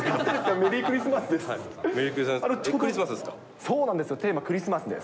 メリークリスマスです。